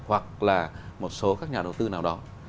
hoặc là một số các nhà đầu tư nào đó